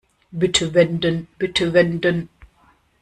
Bitte wenden, bitte wenden.